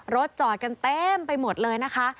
รถจอดกันเต็มไปหมดเลยนะคะ